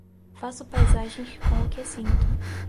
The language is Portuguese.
Faço paisagens com o que sinto.